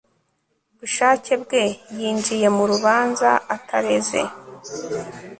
bushake bwe yinjiye mu rubanza atareze